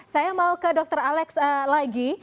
saya mau ke dokter ales lagi